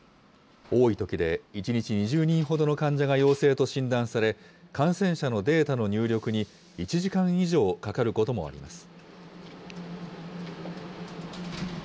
多いときで、１日２０人ほどの患者が陽性と診断され、感染者のデータの入力に１時間以上かかることもあります。